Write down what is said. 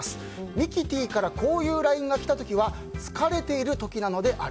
ミキティからこういうＬＩＮＥが来た時は疲れている時なのである。